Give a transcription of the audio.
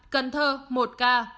cần thơ một ca